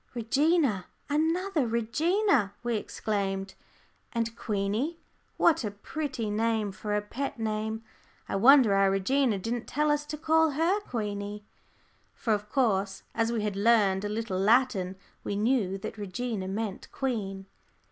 "Regina, another Regina!" we exclaimed. "And Queenie: what a pretty name for a pet name! I wonder our Regina didn't tell us to call her 'Queenie.'" For of course, as we had learned a little Latin, we knew that Regina meant "queen."